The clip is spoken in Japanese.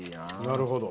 なるほど。